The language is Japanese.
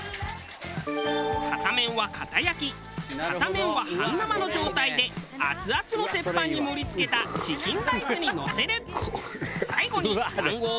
片面は固焼き片面は半生の状態でアツアツの鉄板に盛り付けたチキンライスにのせる。